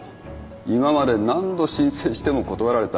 今まで何度申請しても断られた。